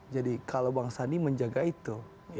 jadi kalau bang sandi menjaga itu